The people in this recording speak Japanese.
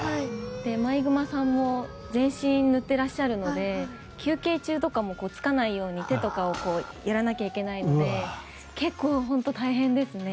毎熊さんも全身塗っていらっしゃるので休憩中とかもつかないように手とかをやらなきゃいけないので結構、本当に大変ですね。